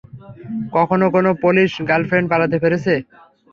কখনো কোন Polish girlfriend পালাতে পেরেছে?